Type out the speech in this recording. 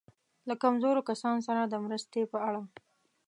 له کمزورو کسانو سره د مرستې په اړه.